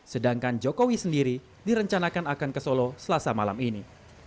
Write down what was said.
sedangkan jokowi sendiri direncanakan akan ke solo selasa malam ini